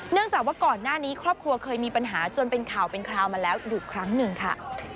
จากว่าก่อนหน้านี้ครอบครัวเคยมีปัญหาจนเป็นข่าวเป็นคราวมาแล้วอยู่ครั้งหนึ่งค่ะ